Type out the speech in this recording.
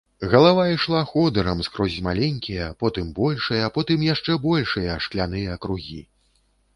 Галава ішла ходырам скрозь маленькія, потым большыя, потым яшчэ большыя шкляныя кругі.